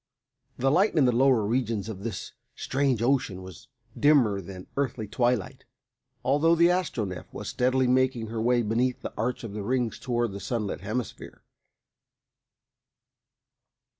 The light in the lower regions of this strange ocean was dimmer than earthly twilight, although the Astronef was steadily making her way beneath the arch of the rings towards the sunlit hemisphere.